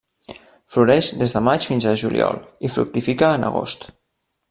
Floreix des de maig fins a juliol i fructifica en agost.